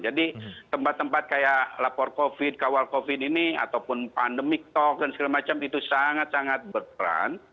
jadi tempat tempat kayak lapor covid kawal covid ini ataupun pandemic talk dan segala macam itu sangat sangat berperan